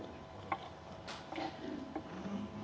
tim kpk mendapatkan informasi